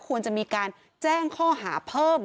ควรจะมีการแจ้งข้อหาเพิ่ม